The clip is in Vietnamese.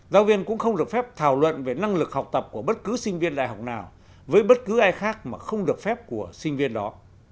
giáo viên cũng không được phép thảo luận về năng lực học tập của bất cứ sinh viên đại học nào với bất cứ ai khác mà không được phép của sinh viên đó